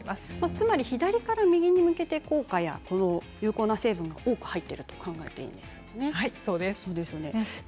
つまり左から右に向けて効果や有効成分が多く入っていると考えていいですね。